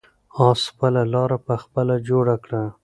آس خپله لاره په خپله جوړه کړه.